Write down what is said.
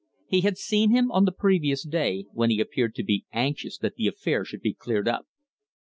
He had seen him on the previous day, when he appeared to be anxious that the affair should be cleared up.